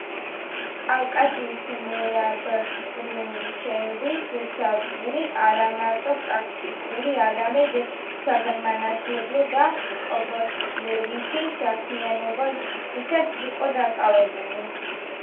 კავკასიის მეაბრეშუმეობის სადგური არამარტო პრაქტიკული, არამედ საგანმანათლებლო და კვლევითი საქმიანობითაც იყო დაკავებული.